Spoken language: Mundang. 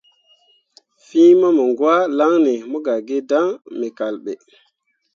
Fîi mamǝŋgwãalaŋne mo gah gi dan me kal ɓe.